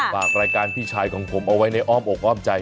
ฝากรายการพี่ชายของผมเอาไว้ในอ้อมอกอ้อมใจ